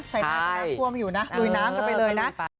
ใช้น้ำท่วมอยู่นะลุยน้ำกันไปเลยนะ